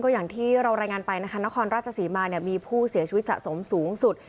อย่างที่เรารายงานไปนะคะนครราชศรีมาเนี่ยมีผู้เสียชีวิตสะสมสูงสุด